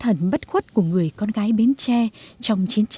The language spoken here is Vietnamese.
ai đứng như bóng đường tầm dài bay trong con